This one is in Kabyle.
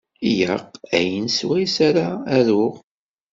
Ilaq ayen swayes ara aruɣ.